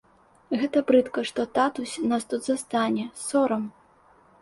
Гэта брыдка, што татусь нас тут застане, сорам!